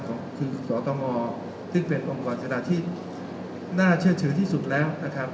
ก็คือสตงซึ่งเป็นองค์กรชนะที่น่าเชื่อถือที่สุดแล้วนะครับ